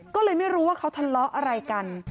ก็เลยไม่รู้ว่าเขาทะเลาะอะไรกัน